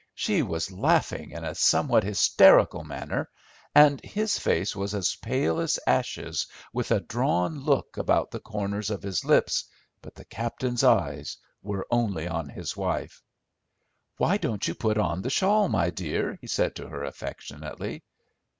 She was laughing in a somewhat hysterical manner, and his face was as pale as ashes with a drawn look about the corners of his lips, but the captain's eyes were only on his wife. "Why don't you put on the shawl, my dear?" he said to her affectionately.